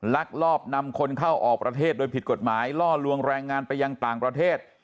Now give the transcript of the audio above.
ลักลอบนำคนเข้าออกประเทศโดยผิดกฎหมายล่อลวงแรงงานไปยังต่างประเทศ